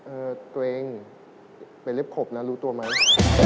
ตัวเองเป็นเล็บขบนะรู้ตัวไหม